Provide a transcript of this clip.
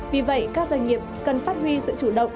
vì vậy các doanh nghiệp cần phát huy sự chủ động